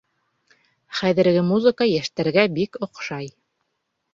Хәҙерге музыка йәштәргә бик оҡшай